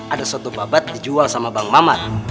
ada satu babat dijual sama bang mamat